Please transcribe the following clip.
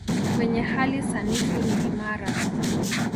Kwenye hali sanifu ni imara.